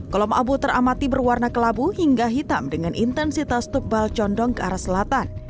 kolom abu teramati berwarna kelabu hingga hitam dengan intensitas tebal condong ke arah selatan